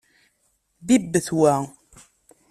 Bibbet wa.